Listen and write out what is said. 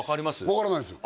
分からないです